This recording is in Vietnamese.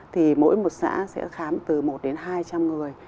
thì mỗi một xã sẽ khám từ một đến hai trăm linh người